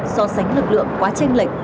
so sánh lực lượng quá tranh lệch